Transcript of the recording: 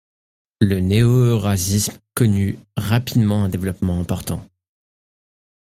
Le néo-eurasisme connut rapidement un développement important.